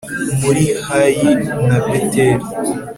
muri hayi na beteli